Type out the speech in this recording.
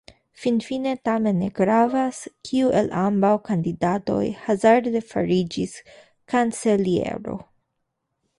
Finfine tamen ne gravas, kiu el ambaŭ kandidatoj hazarde fariĝis kanceliero.